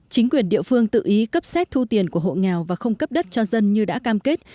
chính quyền địa phương tự ý cấp xét thu tiền của hộ nghèo và không cấp đất cho dân như đã cam kết